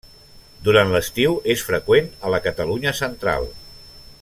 Durant l'estiu és freqüent a la Catalunya Central.